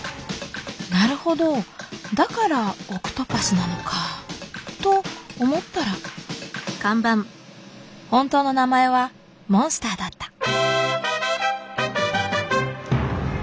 なるほどだからオクトパスなのか。と思ったら本当の名前は「モンスター」だった。